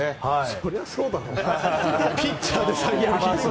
そりゃそうだろうな。